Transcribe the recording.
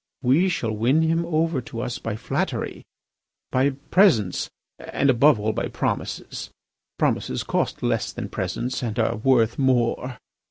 We shall win him over to us by flattery, by presents, and above all by promises. Promises cost less than presents, and are worth more.